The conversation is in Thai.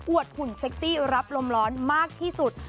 หุ่นเซ็กซี่รับลมร้อนมากที่สุด